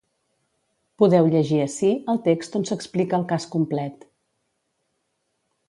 Podeu llegir ací el text on s’explica el cas complet.